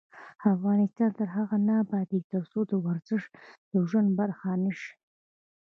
افغانستان تر هغو نه ابادیږي، ترڅو ورزش د ژوند برخه نشي.